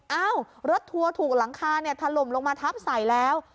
เอ้ารถทัวร์ถูกหลังคาถล่มลงมาทับใส่แล้ว